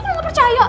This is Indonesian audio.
lo gak percaya